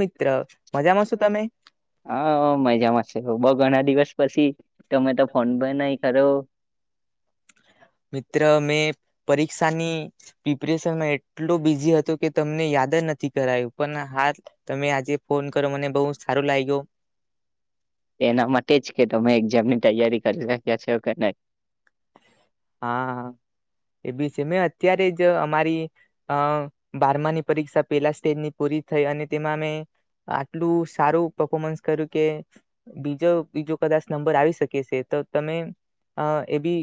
મિત્ર મજામાં શું તમે? હા મજામાંશે બ ઘણા દિવસ પછી તમે તો ફોન ભ નહી હરો મિત્ર મેં પરીક્ષાની પ્રિપરેશનમાં એટલો બિઝી હતો કે તમને યાદ જ નથી કરાયું પણ હા તમે આજે ફોન કરો મને બહુ સારો લાગ્યો એના માટે જ કે તમે એક્ઝામની તૈયારી કરી રાખ્યા છો કે નહી હા એ બી છે મેં અત્યારે જ અમારી અ બારમાની પરીક્ષા પેલા સ્ટેજની પૂરી થઈ અને તેમાં અમે આટલું સારું પફોમન્સ કર્યું કે બીજો બીજો કદાચ નંબર આવી શકે છે તો તમે એ બી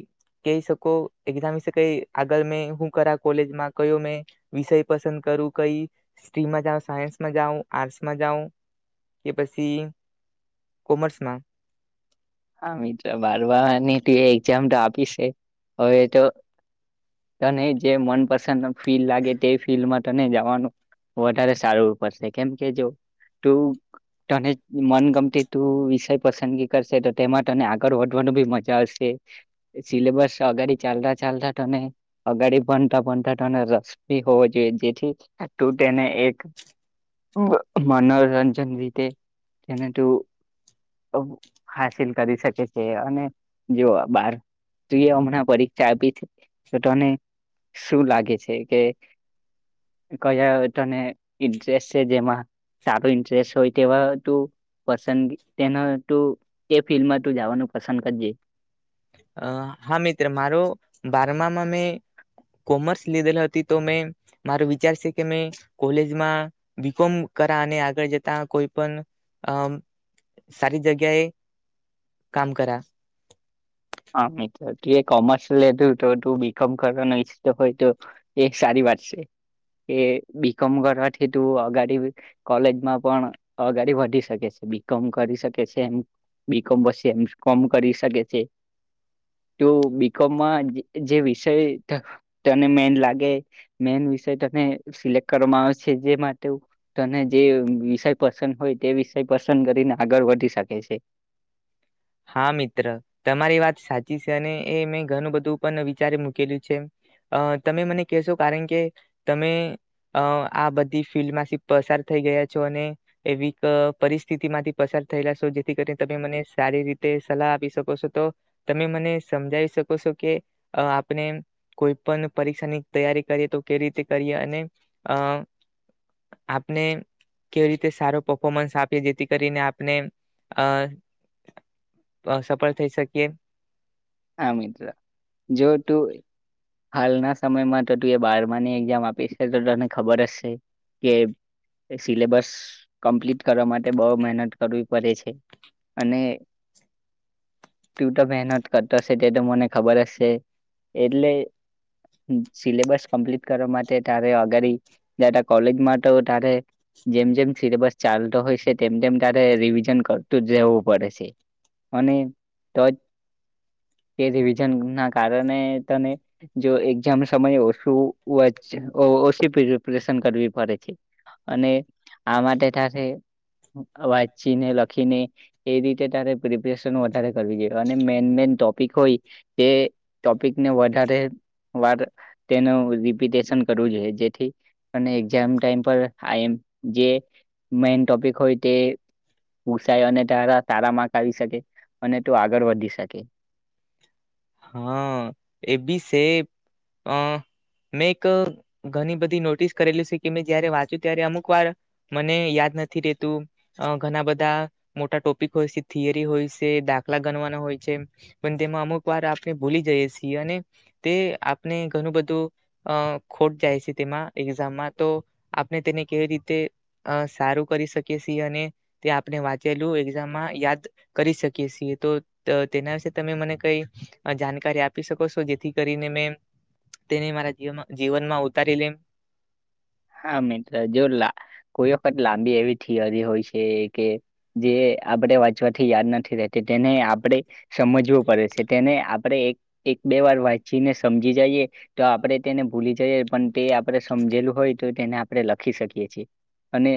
કહી શકો એઝામ વિશે ક આગળ મે શું કર કોલેજમાં કયો મેં વિષય પસંદ કરું કઈિસ્ટ્રીમાં જા સાયન્સમાં જાઉ આર્ટસમાં જાઉ કે પસી કોમર્સમાં હા મિત્ર બારવાની ત એ એક્ઝામ તો આપી સે હવે તો તને જે મનપસંદ ફી લાગે તે ફીડમાં તને જવાનું વધારે સારું પડશે કેમ કે જો તું તને મનગમતી તું વિષય પસંદગી કરશે તો તે આગળ વધવાનું બી મજા આવશે સિલેબસ અગાડી ચાલતા ચાલતા તને અગાડી ભણતા ભણતા તને રસ બી હોવો જોઈએ જેથી તું તેને એક મનોરંજન રીતે એને તું હાસલ કરી શકે છે અને જો બાર હમણાં પરીક્ષા આપી છે તો તને શું લાગે છે કે કયા તને ઇન્ટરેસ્ટ છે જેમાં સારો ઇન્ટરેસ્ટ હોય તેવા તુ પસંદગ તે ફિલ્ડમાં તું જવાનું પસંદ કરજે. અ મેને કોમર્સ લીધેલ તો મે મારો વિચાર છે કે મે કોલેજમાં બી કોમ કરા અને આગળ જતા કોઈ પણ સારી જગ્યાએ કામ કરા હા મિત્ર તું એ કોમર્સ લેધું તો તું બીકોમ કરવાનું ઈચ્છતો હોય તો એ સારી વાત છે કે બીકોમ કરવાથી તું અગાડી કોલેજમાં પણ અગાડી વધી શકે છે બીકોમ કરી શકે છે એમ બીકોમ પછી એમ કોમ કરી શકે છે. તો બીકોમમાં જે વિષય તને મેન લાગે મેન વિષય તને સિલેક્ટ કરવામાં આવે છે જે માટે તને જે વિષય પસંદ હોય તે વિષય પસંદ કરીને આગળ વધી શકે છે. હા મિત્ર તમારી વાત સાચી છે અને એ મેં ઘણું બધું પણ વિચારે મૂકેલું છે તમે મને કહેશો કારણ કે તમે આ બધી ફિલ્ડમાંથી પસાર થઈ ગયા છો અને એવી પરિસ્થિતિ માંથી પસાર થયેલા છો જેથી કરીને તમે મને સારી રીત તે સલાહ આપી શકો છો તો તમે મને સમજાવી શકો છો કે આપણે કોઈ પણ પરીક્ષાની તૈયારી કરીએ તો કે રીતે કરીએ અને અ આપને કેવી રીતે સારો પર્ફોર્મન્સ આ જેથી કરીને આપને અ સફળ થઈ શકીએ હ મિત્ર જો ટુ હાલના સમયમાં તો તું એ બારમાની એક્ઝામ આપી છે તો તને ખબર જ શે કે સિલેબસ કમ્પ્લીટ કરવા માટે બોહ મહેનત કરવી પડે છે અને તું તો મહેનત કરતો શે એ તો મને ખબર જ શે એટલે સિલેબસ કમ્પ્લીટ કરવા માટે તારે અગાડી નઈ તો કોલેજમાં તો તારે જેમ જેમ સિલેબસ ચાલતો હોય શે તેમ તેમ તારે રિવિઝન કરતું જ રહેવું પડે શે અને તો જ એ રિવિઝન ના કારણે તને જો એક્ઝામ સમયે ઓછું ઓછી પ્રિપરેશન કરવી પડે છે અને આ માટે તારે વાંચીને લખીને એ રીતે તારે પ્રિપરેશન વધારે કરવી જોઈએ અને મેન મેન ટોપિક હોય તે ટોપિકને વધારે વાર તેનુ રી વસીઅન કરવું જોઈએ જેતી તને એક્સામ ટાઈમ પર ઈ મ જે મેન ટોપિક હોય તે પુસાઈ અને તારા સારા માં આવી શકે અને તું આગળ વધી શકે હા એ બી શે અ મેં એક ઘણી બધી નોટિસ કરેલી શે કે મેં જયારે વાંચ્યું ત્યારે અમુક વાર મને યાદ નથી રેતું ઘણા બધા મોટા ટોપિક હોય શે થિયરી હોય શે દાખલા ગણવાના હોય શે પણ તેમાં અમુક એક વાર આપણે ભૂલી જઈયે શીએ અને તે આપણે ઘણું બધું અ ખોટ જાય છે તેમાં એક્ઝામમાં તો આપણે તેને કેવી રીતે તે સારું કરી શકી છીએ અને તે આપણે વાંચેલું એક્ઝામમાં યાદ કરી શકીએ છીએ તો તેના વિશે તમે મને કઈ જાણકારી આપી શકો છો જેથી કરીને મેં તેને મારા જીવનમાં ઉતારી લેમ. હા મિત્ર જો કોઈ વખત લાંબી એવી થિયરી હોય છે કે જે આપણે વાંચવાથી યાદ નથી રેતી તેને આપણે સમજવું પડે છે તેને પડે એક એક બે વાર વાંચીને સમજી જઈએ. તો આપડે તેને ભૂલી છે પણ તે આપડણે સમજેલું હોય. તેને આપણે લખી શકીએ છીએ અને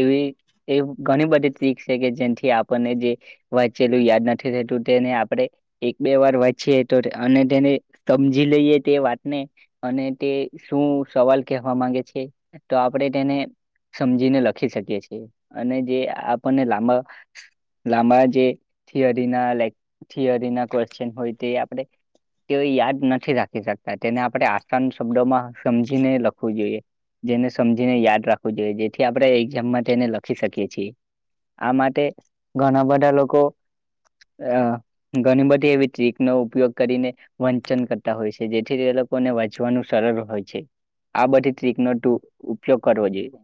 એવી એ ઘણી બધી ત્રીક છે કે જેથી આપણને જે વાંચેલું યાદ નથી થતું તેને આપણે એક બે વાર વાંચીએ તો અને તેને સમજી લઈએ તે વાતને અને તે શું સવાલ કહેવા માંગે છે? છે. તો આપણેે તેને સમજીને લખી શકીએ છીએ અને જે આપણને લાંબા લાંબા જે થિયરી લ થિયરી કચન હોઈ આપ તેઓ યાદ નથી રાખી શકતા તેને આપણે આસાન શબ્દોમાં સમજીને લખવું જોઈએ. જેને સમજીને યાદ રાખવું જોઈએ જેથી આપડણે જેમમાં તેને લખી શકીએ છીએ. આ માટે ઘણા બધા લોકો અ ઘણી બધી એવી અ ટ્રીકનો ઉપયોગ કરીને વંચન કરતા હોય છે જેથી તે લોકોને વંચવાનું સરળ હોય છે આ બધી ટ્રીકનો ઉપયોગ કરવો જોઈએ.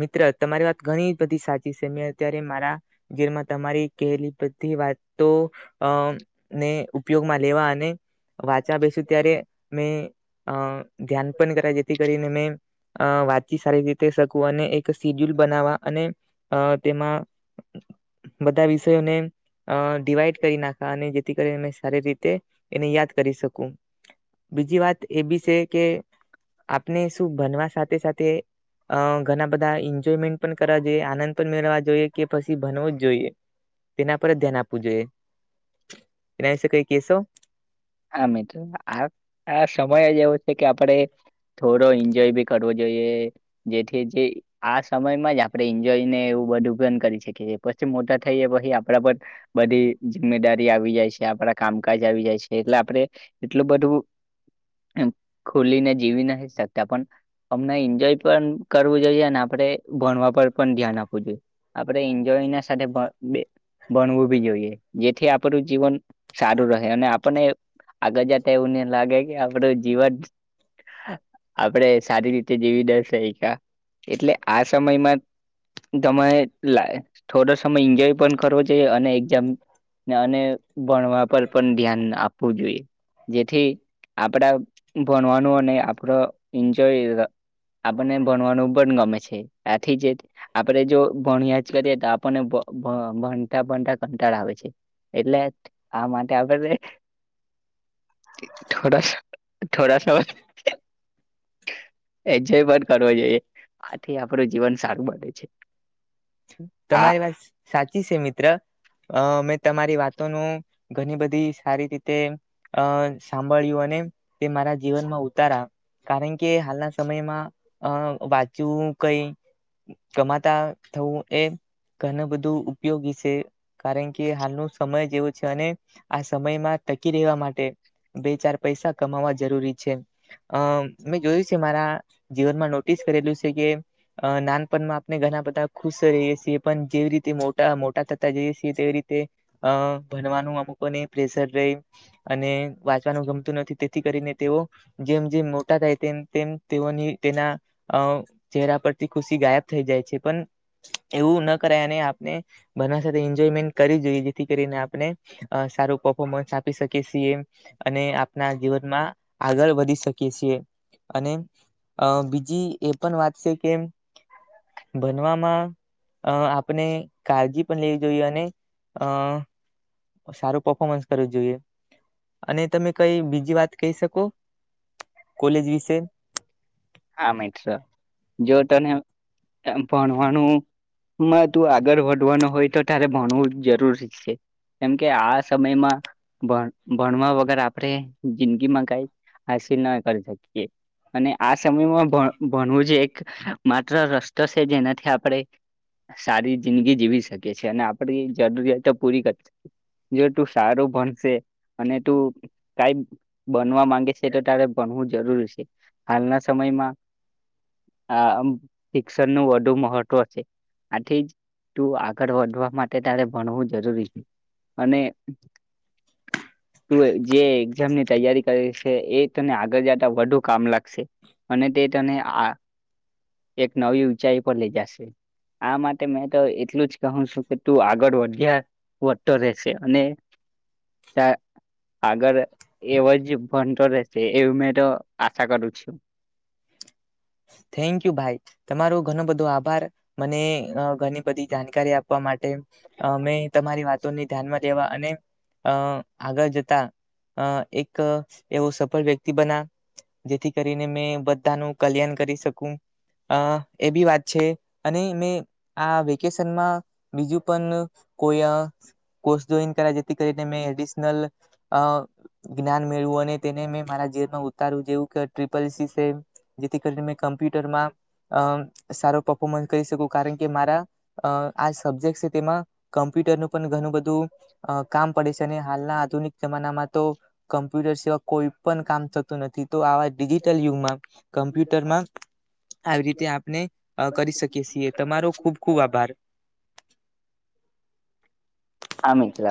મિત્ર તમારી વાત ઘણી બધી સાચી છે મે અત્યારે મારા ઘીરમાં તમારી કહેલી બધી વાતો અ ને ઉપયોગમાં લેવા અને વાંચા બેસુ ત્યારે મેં હા. ધ્યાન પણ કર્યા જેથી કરીને મેં અ વાતચી સારી રીતે અને એક સીડ્યુલ બનાવા અને અ તેમાં બધા વિષયોને અ ડડીવાઈડ કરી નાખા અને જેથી કરી અ શારીરિક એને યાદ હા કરી શકું બીજી વાત એ બી છે કે આપને શું ભનવા સાથે સાથે અ ઘણા બધા એન્જોયમેન્ટ પણ કરવા જોઈએ આનંદ પણ મેળવ જોઈએ કે પછી ભનવો જ જોઈએ તેના પર જ ધ્યાન આપવું જોઈએ. એનાશે કઈ કેસો? હા મિત્રો આ આ સમય જ એવો છે કે આપણેે થોડો એન્જોય બી કરવો જોઈએ જેથી જે આ સમયમાં જ આપ આપ એન્જોય ને એવું બધું. કરી શકી પછી મોટા થઈ પછી આપડા પર બધી જિમ્મેદારી આવી જાય છે આપડા કામકાજ આવી જાય છે. એટલે આપણે એટલું બધું ખુલીને જીવી નથી શકતા પણ અમને એન્જોય પણ કરવું જોઈએ અને આપણે ભણવા પર પણ ધ્યાન આપવું જોઈએ આપણે એન્જોય સાથે બણવું બી જોઈએ જેથી આપ ઉપર જીવન સારું રહે અને આપ આપને આગળ જાતા એવું ન લાગે કે આપડું જીવન [inaudible] આપડે સારી રીતે જીવી દશ શયકા, એટલે આ સમયમાં તમારે લાઈ થોડો સમય એન્જોય પણ કરવો જોઈએ, અને એક્ઝામ અને ભણવા પર પણ ધ્યાન આપવું જોઈએ. જેથી આપડા ભણવાનું અને આપડો એન્જોય અહ આપણને ભણવાનું પણ ગમે છે, આથી જે આપણેે જો ભણ્યા જ કરીએ તો આપણને ભભહ ભનતા-ભનતા કંટાળો આવે છે. એટલે આ માટે [unintelligible] થોડાસ થોડા સ એન્જોય પણ કરવો જોઈએ. આથી આપડું જીવન સારું બને છે. આ તમારી વાત સાચી છે મિત્ર. અહ મે તમારી વાતોનું ઘણી બધી સારી રીતે અહ સાંભળ્યું અને તે મારા જીવનમાં ઉતારા, કારણ કે હાલના સમયમાં અહ વાંચવું કંઈ ગમાતા થવું એ ઘણું બધું ઉપયોગી છે, કારણ કે હાલનો સમય જેવો છે અને આ સમયમાં ટકી રહેવા માટે બે ચાર પૈસા કમાવા જરૂરી છે. અહ મેં જોયું છે મારા જીવનમાં નોટિસ કરેલું છે કે અહ નાનપણમાં આપણે ઘણા બધા ખુશ તે રહીએ છીએ પણ જેવી રીતે મોટા મોટા થતા જઈએ છીએ તેવી રીતે અહ ભણવાનું અમુકને પ્રેશર રહી અને વાંચવાનું ગમતું નથી તેથી કરીને તેઓ જેમ જેમ મોટા થાય તેમ તેમ તેઓની તેના અહ ચહેરા પરથી ખુશી ગાયબ થઈ જાય છે પણ એવું ના કરાય અને આપણે બધા સાથે એન્જોયમેન્ટ કરી જોઈએ જેથી કરીને આપણે અહ સારું પફોમન્સ આપી શકી છીએ એ અને આપના જીવનમાં આગળ વધી શકીએ છીએ અને અહ બીજી એ પણ વાત છે કે ભનવામાં અહ આપણે કાળજી પણ લેવી જોઈએ અને અહ સારું પફોમન્સ કરવું જોઈએ. અને તમે કઈ બીજી વાત કહી શકો, કોલેજ વિશે. હા મિત્ર જો તને ત ભણવાનું માં તું આગળ વધ વાનું હોય તો તારે ભણવું જરૂર છે કેમકે આ સમયમાં ભ-ભણવા વગર આપડે જિંદગીમાં કઈ હાસિલ ના કરી શકીએ અને આસ સમયમાં ભ-ભણવું જ એક કહ માત્ર રસ્તો છે જેનાથી આપડે સારી જિંદગી જીવી શકીએ છેએ અને આપડી જરૂરિયાતો પૂરી કરી જો તું સારું ભણશે અને તું કઈ બનવા માંગે છે તો તારે ભણવું જરૂરી છે હાલના સમયમાં આ આમ શિક્ષણનું વધુ મહત્વ છે. આથી જ તું આગળ વધવા માટે તારે ભણવું જરૂરી છે. અને તું એ જે એક્ઝામ ની તૈયારી કરે છે એ તને આગળ જતા વધુ કામ લાગશે. અને તે તને આ એક નવી ઊંચાઈ પર લઈ જશે. આ માટે મેં તો એટલું જ કહું છું કે તું આગળ વધ્યા વધતો રહેશે અને તા આગળ એવજ ભણતો રહેશે એવ મેં તો આશા કરું છું. થેન્ક યુ ભાઈ તમારો ઘણો બધો આભાર મને અહ ઘણી બધી જાણકારી આપવા માટે. અહ મેં તમારી વાતોને ધ્યાનમાં લેવા અને અહ આગળ જતા અહ એક એવો સફળ વ્યક્તિ બના જેથી કરીને મેં બધાનું કલ્યાણ કરીશ શકું અહ એ બી વાત છે અને મે આ વેકેશનમાં બીજું પણ કોઈ અહ કોર્સ જોઈન કરા જેથી કરીને મે એડશનલ અહ જ્ઞાન મેળવું અને તેને મે મારા જીવનમાં ઉતારવું જેવું કે ટ્રિપલ સી સેન જેથી કરી મૈ કમ્પ્યુટરમાં અહ સારો પફોર્મન્સ કરી શકું કારણ કે મારા અહ આ સબ્જેક્ટ છે તેમાં કમ્પ્યુટરનું પણ ઘણું બધું અહ કામ પડે છે ને હાલના આધુનિક જમાનામાં તો કમ કમ્પ્યુટર સિવાય કોઈ પણ કામ થતું નથી. તો આવા ડિજિટલ યુગમાં કમ્પ્યુટરમાં આવી રીતે આપને અહ કરી શકી સીએ. તમારો ખુબ-ખુબ આભાર. હા મિત્ર